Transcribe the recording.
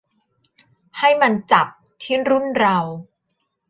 ให้มันจับที่รุ่นเรา